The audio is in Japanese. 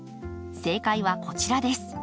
正解はこちらです。